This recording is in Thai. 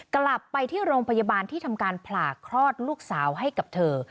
กลับไปที่โรงพยาบาลที่ทำการผ่าคลอดลูกสาวให้กับเธอ